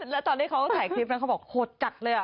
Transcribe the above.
แล้วตอนที่เขาถ่ายคลิปแล้วเขาบอกโหดจัดเลย